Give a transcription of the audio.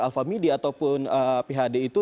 alfa media ataupun phd itu